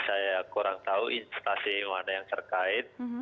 saya kurang tahu instansi mana yang terkait